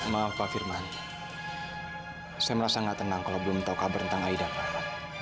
maaf pak firman saya merasa nggak tenang kalau belum tahu kabar tentang aida pak